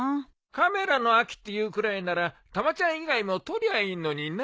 カメラの秋っていうくらいならたまちゃん以外も撮りゃいいのにな。